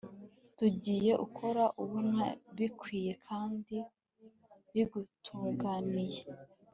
tugire uko ubona bikwiye kandi bigutunganiye